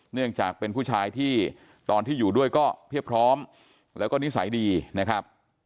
เนื่องจากเป็นผู้ชายที่ตอนที่อยู่ด้วยก็เพียบพร้อมแล้วก็นิสัยดีนะครับ